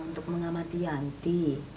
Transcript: untuk mengamati yanti